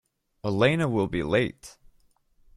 Elena will be late.